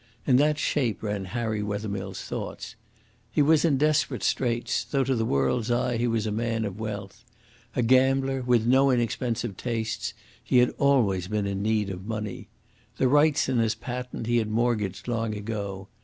In that shape ran Harry Wethermill's thoughts. He was in desperate straits, though to the world's eye he was a man of wealth. A gambler, with no inexpensive tastes, he had been always in need of money. The rights in his patent he had mortgaged long ago.